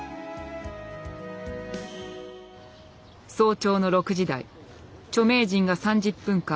早朝の６時台著名人が３０分間